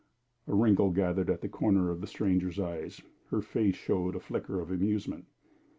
A wrinkle gathered at the corners of the stranger's eyes; her face showed a flicker of amusement.